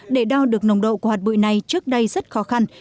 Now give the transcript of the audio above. để đo được nồng độ của hạt bụi này trước đây rất khó khăn